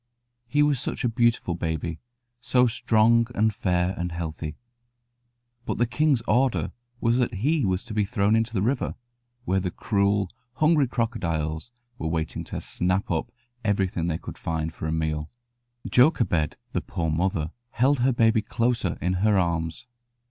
He was such a beautiful baby, so strong and fair and healthy; but the king's order was that he was to be thrown into the river, where the cruel, hungry crocodiles were waiting to snap up everything they could find for a meal. Jochebed, the poor mother, held her baby closer in her arms.